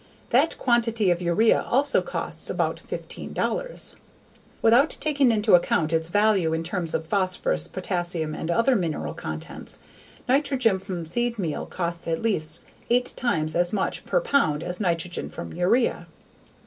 That quantity of urea also costs about $15.00! Without taking into account its value in terms of phosphorus, potassium and other mineral contents, nitrogen from seed meal costs at least eight times as much per pound as nitrogen from urea.